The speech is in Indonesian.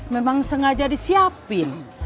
memang sengaja disiapin